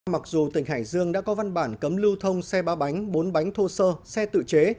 mặc dù tỉnh hải dương đã có văn bản cấm lưu thông xe ba bánh bốn bánh thô sơ xe tự chế